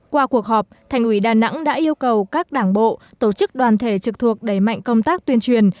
qua cuộc họp thành ủy đà nẵng đã yêu cầu các đảng bộ tổ chức đoàn thể trực thuộc đẩy mạnh công tác tuyên truyền